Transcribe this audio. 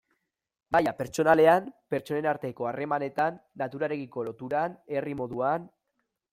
Maila pertsonalean, pertsonen arteko harremanetan, naturarekiko loturan, herri moduan...